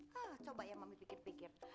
hah coba ya mami pikir pikir